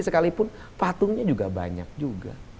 sekalipun patungnya juga banyak juga